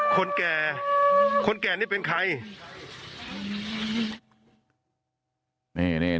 คนแก่คนแก่นี่เป็นใคร